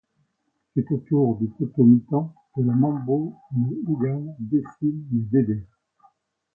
C'est autour du potomitan que la mambo ou le houngan dessinent les vévés.